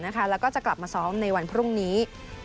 แล้วก็จะกลับมาซ้อมในวันพรุ่งนี้